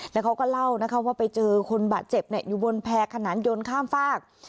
แล้วเขาก็เล่านะคะว่าไปเจอคนบาดเจ็บอยู่บนแพร่ขนานยนต์ข้ามฝาก